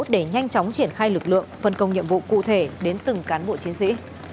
để nhanh chóng triển khai lực lượng phân công nhiệm vụ cụ thể đến từng cán bộ chiến sĩ